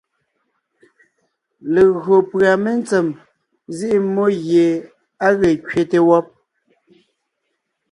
Legÿo pʉ́a mentsèm nzíʼi mmó gie á ge kẅete wɔ́b,